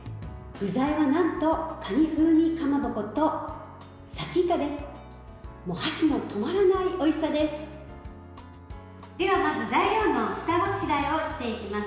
具材は、なんとかに風味かまぼことさきいかです。